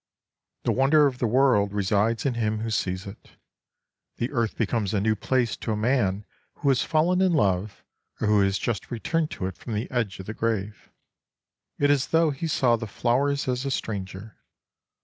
The wonder of the world resides in him who sees it. The earth becomes a new place to a man who has fallen in love or who has just returned to it from the edge of the grave. It is as though he saw the flowers as a stranger.